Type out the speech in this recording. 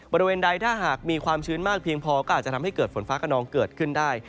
บริเวณใดถ้าหากมีความชื้นมากเพียงพอก็อาจจะทำให้เกิดฝนฟ้ากระนองเกิดขึ้นได้